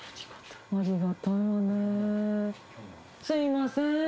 すいません。